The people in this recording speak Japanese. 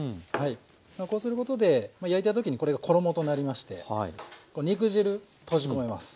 こうすることでまあ焼いた時にこれが衣となりまして肉汁閉じ込めます。